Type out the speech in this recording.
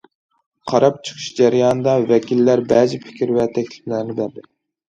قاراپ چىقىش جەريانىدا، ۋەكىللەر بەزى پىكىر ۋە تەكلىپلەرنى بەردى.